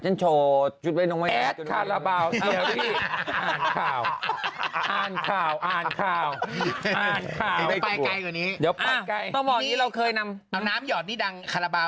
ชิ้นโชว์ขาดระเบาอ่านข่าวไปใกล้กว่านี้เอาน้ำหยอดนี่ดังขาดระเบา